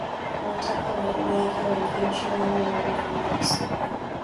kuwataka badala yake waingie nchini humo mara kwa mara kusaidia